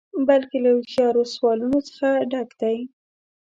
بلکې له هوښیارو سوالونو څخه ډک دی.